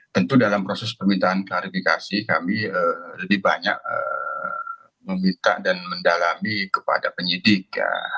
tentu dalam proses permintaan klarifikasi kami lebih banyak meminta dan mendalami kepada penyidik